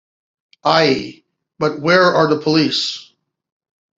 Ay, but where are the police?